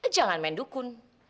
jangan main dukun